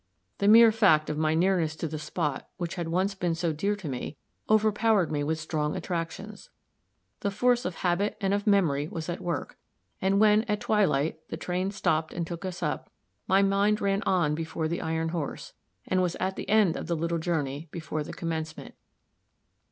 The mere fact of my nearness to the spot which had once been so dear to me, overpowered me with strong attractions; the force of habit and of memory was at work; and when, at twilight, the train stopped and took us up, my mind ran on before the iron horse, and was at the end of the little journey before the commencement.